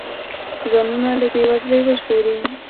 ځانونه له بې وزلۍ وژغوري.